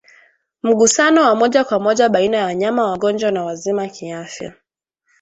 Mgusano wa moja kwa moja baina ya Wanyama wagonjwa na wazima kiafya